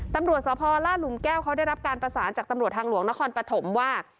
ตำรวจสพลาดหลุมแก้วเขาได้รับการประสานจากตำรวจทางหลวงนครปฐมว่า